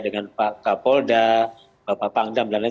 dengan pak kapolda bapak pangdam dan lain lain